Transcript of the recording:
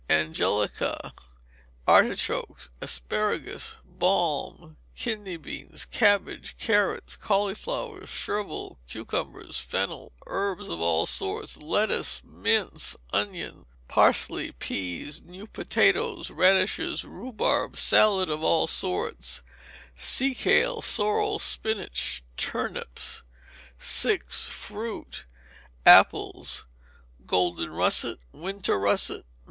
Angelica, artichokes, asparagus, balm, kidney beans, cabbage, carrots, cauliflowers, chervil, cucumbers, fennel, herbs of all sorts, lettuce, mint, onions, parsley, peas, new potatoes, radishes, rhubarb, salad of all sorts, sea kale, sorrel, spinach, turnips. v. Fruit. Apples: Golden russet, winter russet.